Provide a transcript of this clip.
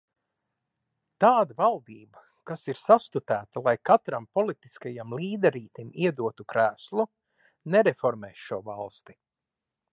Tāda valdība, kas ir sastutēta, lai katram politiskajam līderītim iedotu krēslu, nereformēs šo valsti.